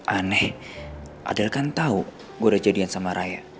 aneh adel kan tau gue udah jadian sama raya